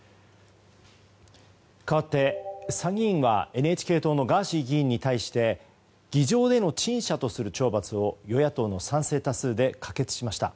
かわって、参議院はＮＨＫ党のガーシー議員に対して議場での陳謝とする懲罰を与野党の賛成多数で可決しました。